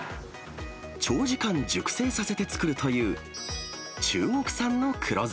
長時間熟成させて作るという中国産の黒酢。